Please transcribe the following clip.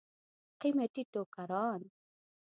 قیمتي ټوکران.